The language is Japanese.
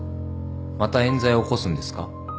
また冤罪を起こすんですか？